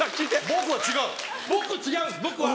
僕違うんです僕は。